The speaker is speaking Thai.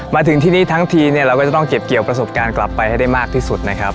มาถึงที่นี่ทั้งทีเนี่ยเราก็จะต้องเก็บเกี่ยวประสบการณ์กลับไปให้ได้มากที่สุดนะครับ